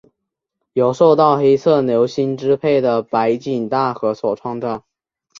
由受到黑色流星支配的白井大和所创造。